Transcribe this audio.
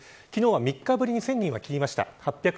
昨日は３日ぶりに１０００人は切りました。